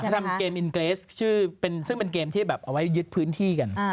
ทำเกมอินเกรสซึ่งเป็นเกมที่แบบเอาไว้ยึดพื้นที่กัน